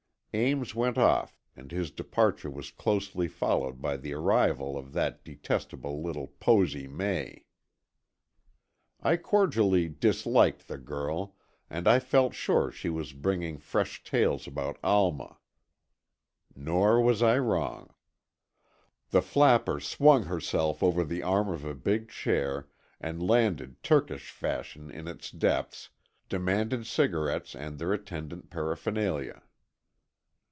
Ames went off and his departure was closely followed by the arrival of that detestable little Posy May. I cordially disliked the girl, and I felt sure she was bringing fresh tales about Alma. Nor was I wrong. The flapper swung herself over the arm of a big chair, and landed Turkish fashion in its depths. Demanded cigarettes and their attendant paraphernalia.